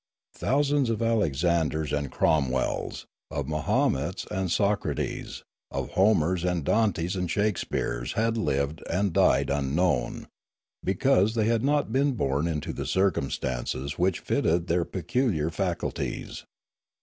Thousands of Alex anders and Cromwells, of Mahomets and Socrates, of Homers and Dantes and Shakespeares had lived and died unknown, because they had not been born into the circumstances which fitted their peculiar faculties.